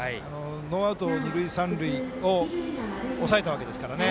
ノーアウト、二塁三塁を抑えたわけですからね。